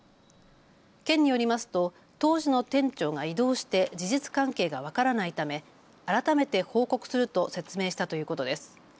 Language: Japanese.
県によりますと当時の店長が異動して事実関係が分からないため改めて報告すると説明したということです。